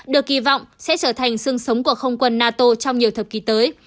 được kỳ vọng sẽ trở thành sương sống của không quân nato trong nhiều thập kỷ tới